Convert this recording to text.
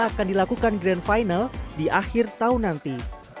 akan dilakukan grand final di akhir tahun nanti